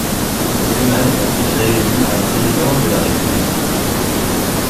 Zeman est ensuite réélu à la présidence de la République.